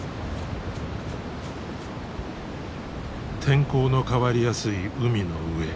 天候の変わりやすい海の上。